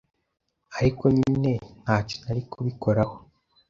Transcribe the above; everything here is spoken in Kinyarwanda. Ariko nyine nta cyo nari kubikoraho